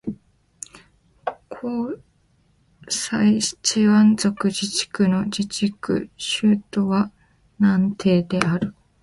広西チワン族自治区の自治区首府は南寧である